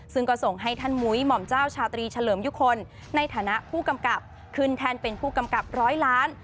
ซึ่งก็ส่งให้ท่านมุ้ยหม่อมเจ้าชาตรีเฉลิมยุคลในฐานะผู้กำกับขึ้นแทนเป็นผู้กำกับร้อยล้าน